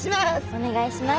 お願いします。